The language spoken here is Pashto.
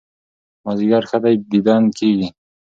مازيګر ښه دى ديدن کېږي